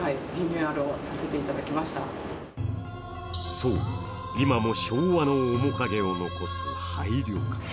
そう、今も昭和の面影を残す廃旅館。